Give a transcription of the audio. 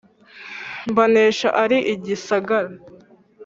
Mbanesha ari igisagara.